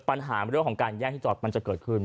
ปัญหาเรื่องของการแย่งที่จอดมันจะเกิดขึ้น